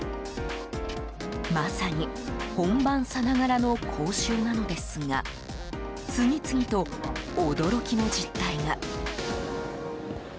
まさに本番さながらの講習なのですが次々と驚きの実態が。